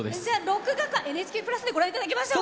録画か「ＮＨＫプラス」でご覧いただきましょう。